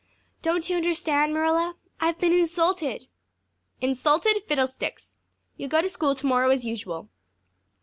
"Don't you understand, Marilla? I've been insulted." "Insulted fiddlesticks! You'll go to school tomorrow as usual."